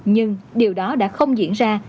nhưng điều đó đã không diễn ra